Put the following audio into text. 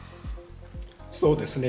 そうですね。